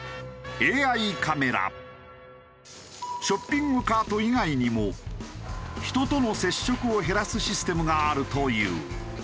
ショッピングカート以外にも人との接触を減らすシステムがあるという。